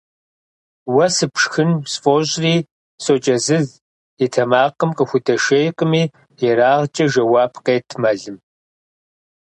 – Уэ сыпшхын сфӀощӀри сокӀэзыз – и тэмакъым къыхудэшейкъыми ерагъкӀэ жэуап къет Мэлым.